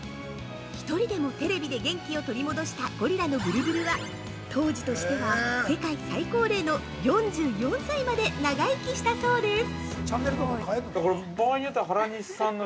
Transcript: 一人でもテレビで元気を取り戻したゴリラのブルブルは当時としては世界最高齢の４４歳まで長生きしたそうです！